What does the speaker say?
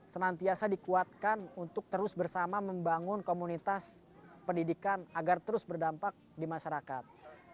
senantiasa dikuatkan untuk terus bersama membangun komunitas pendidikan agar terus berdampak di masyarakat